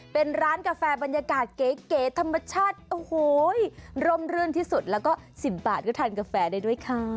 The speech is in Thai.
เป็นร้านกาแฟบรรยากาศเก๋ธรรมชาติโอ้โหร่มรื่นที่สุดแล้วก็๑๐บาทก็ทานกาแฟได้ด้วยค่ะ